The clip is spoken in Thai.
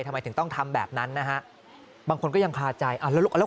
ทำไมถึงต้องทำแบบนั้นนะฮะบางคนก็ยังคาใจอ่าแล้ว